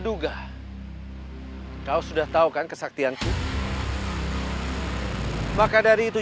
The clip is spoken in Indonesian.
siirmu tidak akan bisa menyelamatkanmu